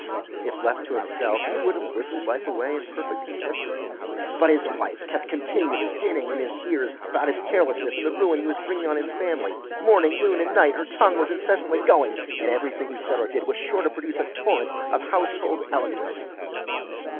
If left to himself, he would have whistled life away in perfect contentment; but his wife kept continually dinning in his ears about his idleness, his carelessness, and the ruin he was bringing on his family. Morning, noon, and night, her tongue was incessantly going, and everything he said or did was sure to produce a torrent of household eloquence.